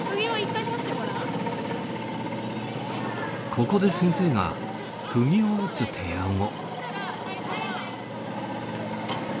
ここで先生がくぎを打つ提案を。